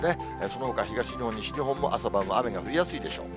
そのほか、東日本、西日本も朝晩は雨が降りやすいでしょう。